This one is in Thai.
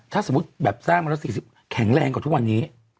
ถ้าสมมุติแบบสร้างมาแล้ว๔๐แข็งแรงกว่าทุกวันนี้